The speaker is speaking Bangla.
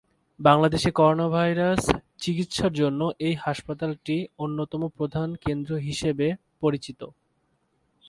বাংলাদেশে করোনাভাইরাস চিকিৎসার জন্য এই হাসপাতালটি অন্যতম প্রধান কেন্দ্র হিশেবে পরিচিত।